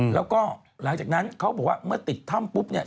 แล้วก็หลังจากนั้นเขาบอกว่าเมื่อติดถ้ำปุ๊บเนี่ย